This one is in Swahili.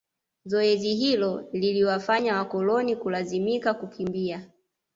Zoezi hilo liliwafanya wakoloni kulazimika kukimbia